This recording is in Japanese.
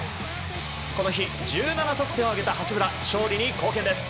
この日、１７得点を挙げた八村勝利に貢献です。